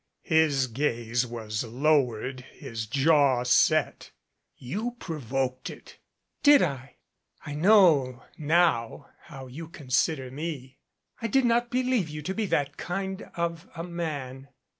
His gaze was lowered, his jaw set. "You provoked it " "Did I? I know now how you consider me. I did not believe you to be that kind of a man."